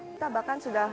kita bahkan sudah